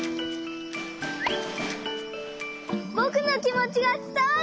ぼくのきもちがつたわった！